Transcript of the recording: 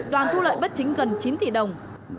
đoàn thu lợi bất chính gần chín tỷ đồng